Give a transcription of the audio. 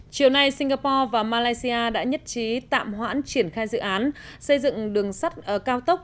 chiều nay singapore và malaysia đã nhất trí tạm hoãn triển khai dự án xây dựng đường sắt cao tốc